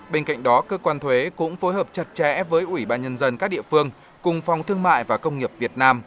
bên cạnh đó cơ quan thuế cũng phối hợp chặt chẽ với ủy ban nhân dân các địa phương cùng phòng thương mại và công nghiệp việt nam